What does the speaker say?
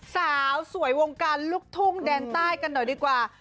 สาวสวยวงการลูกทุ่งแดนใต้กันหน่อยดีกว่า